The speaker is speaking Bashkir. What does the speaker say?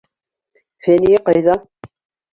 Фәниә ҡайҙа?